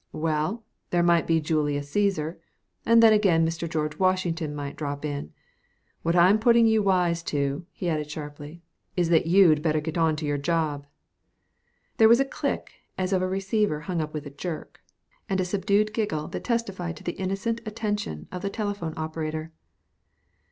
"Well, there might be Mr. Julius Caesar, and then again Mr. George Washington might drop in. What I'm putting you wise to," he added sharply, "is that you'd better get on to your job." There was a click as of a receiver hung up with a jerk, and a subdued giggle that testified to the innocent attention of the telephone operator.